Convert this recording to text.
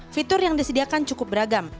fitur yang disediakan cukup beragam